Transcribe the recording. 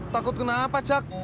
takut kenapa jack